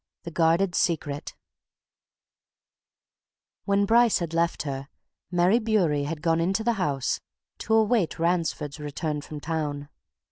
THE GUARDED SECRET When Bryce had left her, Mary Bewery had gone into the house to await Ransford's return from town.